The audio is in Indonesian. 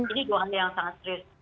ini dua hal yang sangat serius